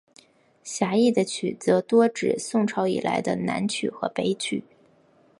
狭义的曲则多指宋朝以来的南曲和北曲。